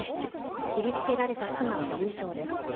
切りつけられた妻は重傷です。